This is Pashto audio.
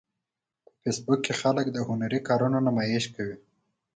په فېسبوک کې خلک د هنري کارونو نمایش کوي